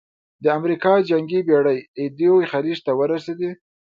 د امریکا جنګي بېړۍ ایدو خلیج ته ورسېدې.